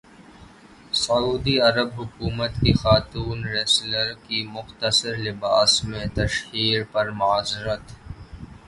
سعودی عرب حکومت کی خاتون ریسلر کی مختصر لباس میں تشہیر پر معذرت